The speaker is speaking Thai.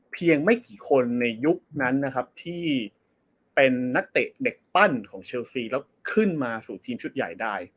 ไม่กี่คนในยุคนั้นนะครับที่เป็นนักเตะเด็กปั้นของเชลซีแล้วขึ้นมาสู่ทีมชุดใหญ่ได้